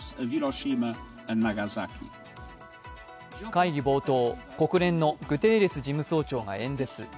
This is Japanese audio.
会議冒頭、国連のグテーレス事務総長が演説。